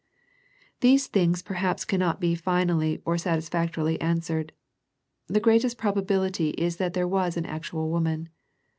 These things perhaps cannot be finally or sat isfactorily answered. The greatest probability is that there was an actual woman.